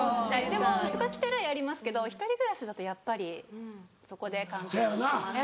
でも人が来たらやりますけど１人暮らしだとやっぱりそこで完結しますね。